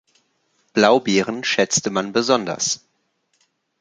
Blaubeeren schätzte man besonders.